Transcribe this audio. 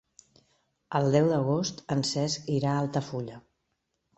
El deu d'agost en Cesc irà a Altafulla.